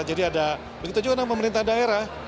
jadi ada begitu juga dengan pemerintah daerah